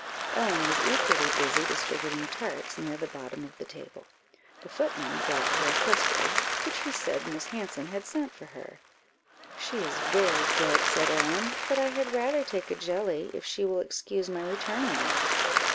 Ellen was equally busy distributing tarts near the bottom of the table. The footman brought her a custard, which he said Miss Hanson had sent for her. "She is very good," said Ellen, "but I had rather take a jelly, if she will excuse my returning it."